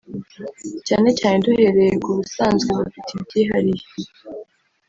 cyane cyane duhereye ku basanzwe bafite ibyihariye